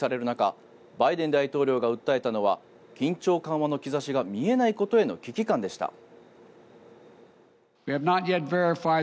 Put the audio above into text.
中バイデン大統領が訴えたのは緊張緩和の兆しが見えないことへの危機感でした。